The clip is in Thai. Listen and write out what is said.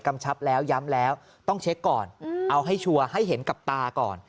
ชับแล้วย้ำแล้วต้องเช็คก่อนเอาให้ชัวร์ให้เห็นกับตาก่อน